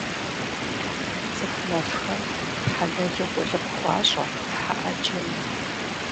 Цӏыху нэфхэм хьэлэлу къулыкъу хуащӏэ хьэ ӏэджэми.